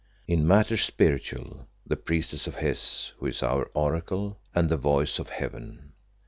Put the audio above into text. "In matters spiritual, the priestess of Hes, who is our Oracle and the voice of Heaven.